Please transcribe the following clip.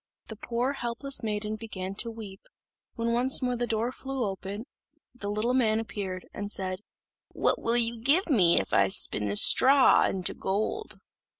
The poor helpless maiden began to weep, when once more the door flew open, the little man appeared, and said, "What will you give me if I spin this straw into gold?"